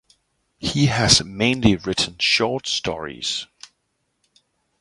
He has mainly written short stories.